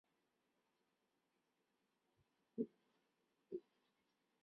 是次选举分为境外投票和境内投票两部分。